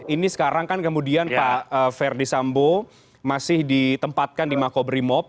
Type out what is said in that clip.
ini sekarang kan kemudian pak verdi sambo masih ditempatkan di makobrimob